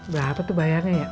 berapa tuh bayarnya ya